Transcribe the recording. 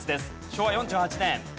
昭和４８年。